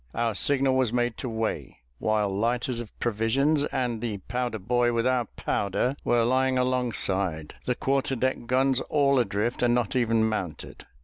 Our signal was made to weigh, while lighters of provisions, and the powder boy with our powder, were lying alongside the quarter deck guns all adrift, and not even mounted.